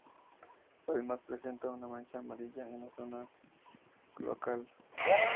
Además presenta una mancha amarilla en la zona cloacal.